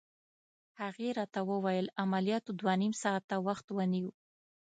هغې راته وویل: عملياتو دوه نيم ساعته وخت ونیو.